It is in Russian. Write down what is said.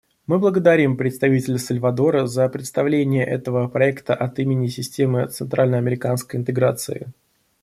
Мы благодарим представителя Сальвадора за представление этого проекта от имени Системы центральноамериканской интеграции.